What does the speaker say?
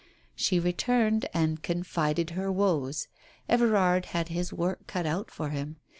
She returned, and confided her woes. Everard had his work cut out for him.